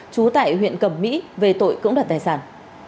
chú tại huyện cầm mỹ về tội cưỡng đoạt tài sản